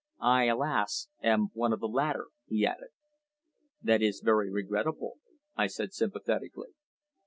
I, alas! am one of the latter," he added. "That is very regrettable," I said sympathetically.